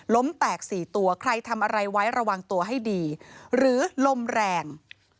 แตก๔ตัวใครทำอะไรไว้ระวังตัวให้ดีหรือลมแรง